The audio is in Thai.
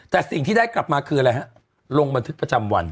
แต่สิ่งที่ได้กลับมาคืออะไรฮะลงบันทึกประจำวัน